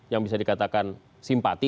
yang bisa dikatakan simpati